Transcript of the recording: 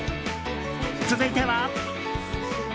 続いては。